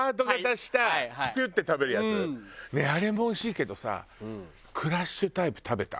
ねえあれもおいしいけどさクラッシュタイプ食べた？